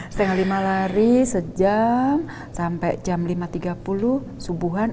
setengah lima lari sejam sampai jam lima tiga puluh subuhan